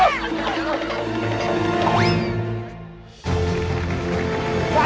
ไอ้เจ๊ให้